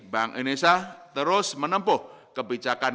bank indonesia terus menempuh kebijakan